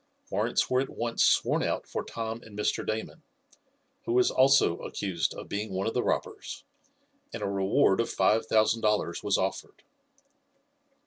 Warrants were at once sworn out for Tom and Mr. Damon, who was also accused of being one of the robbers, and a reward of five thousand dollars was offered.